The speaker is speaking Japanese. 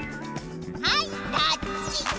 はいタッチ！